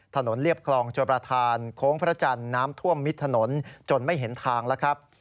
เรียบคลองชวประธานโค้งพระจันทร์น้ำท่วมมิดถนนจนไม่เห็นทางแล้วครับ